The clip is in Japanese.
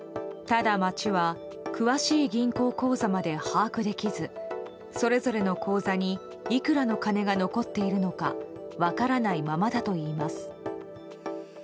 ただ、町は詳しい銀行口座まで把握できずそれぞれの口座にいくらの金が残っているのか分からないままだといいます。